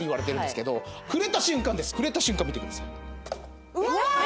触れた瞬間見てください。